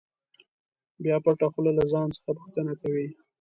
بیا پټه خوله له ځان څخه پوښتنه کوي.